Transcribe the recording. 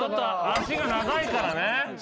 足が長いからね。